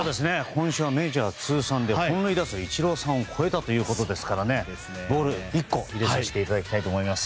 今週はメジャー通算の本塁打数でイチローさんを超えたということでボール１個を入れさせていただきたいと思います。